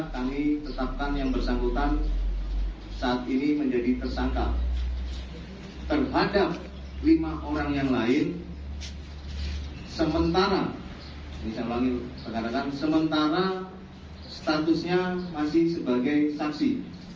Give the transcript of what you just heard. kami tetapkan yang bersangkutan saat ini menjadi tersangka terhadap lima orang yang lain sementara statusnya masih sebagai saksi